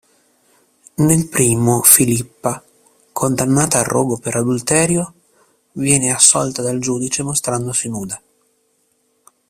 Nel primo Filippa, condannata al rogo per adulterio, viene assolta dal giudice mostrandosi nuda.